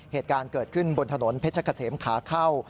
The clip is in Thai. เหตุการณ์เกิดขึ้นบนถนนเพชรเกษมขาเข้า